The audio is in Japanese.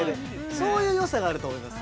そういうよさがあると思います。